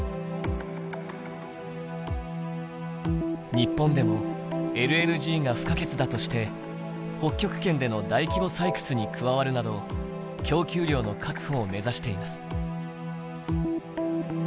日本でもＬＮＧが不可欠だとして北極圏での大規模採掘に加わるなど供給量の確保を目指しています。